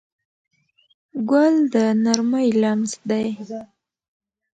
ګل د نرمۍ لمس دی.